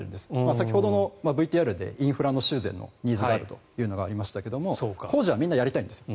先ほどのＶＴＲでインフラの修繕のニーズがあるとありましたが工事はみんなやりたいんですよ。